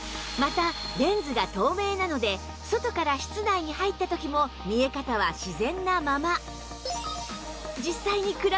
またレンズが透明なので外から室内に入った時も見え方は自然なまま